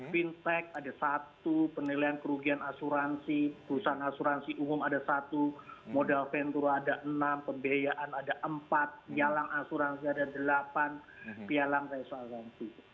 fintech ada satu penilaian kerugian asuransi perusahaan asuransi umum ada satu modal ventura ada enam pembiayaan ada empat pialang asuransi ada delapan pialang reso avanti